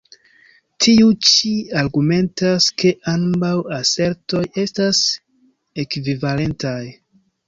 Tiu ĉi argumentas, ke ambaŭ asertoj estas ekvivalentaj.